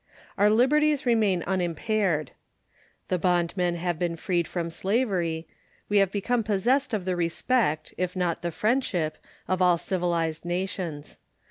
Our liberties remain unimpaired; the bondmen have been freed from slavery; we have become possessed of the respect, if not the friendship, of all civilized nations.